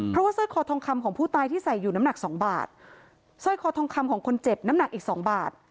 เพราะว่าสร้อยคอทองคำของผู้ตายที่ใส่อยู่น้ำหนักสองบาทสร้อยคอทองคำของคนเจ็บน้ำหนักอีกสองบาท